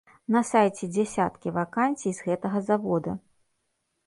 На сайце дзясяткі вакансій з гэтага завода.